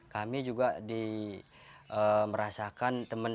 kami juga merasakan teman teman